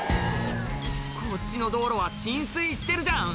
こっちの道路は浸水してるじゃん